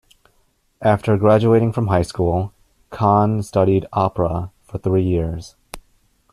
After graduating from high school, Khan studied opera for three years.